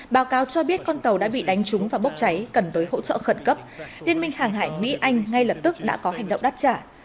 báo cáo cho biết con tàu đã bị đánh trúng và bốc cháy cần tới hỗ trợ khẩn cấp liên minh hàng hải mỹ anh ngay lập tức đã có hành động đáp trả